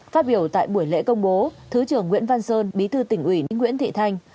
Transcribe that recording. phát biểu tại buổi lễ công bố thứ trưởng nguyễn văn sơn bí thư tỉnh ủy nguyễn thị thanh